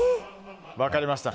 分かりました。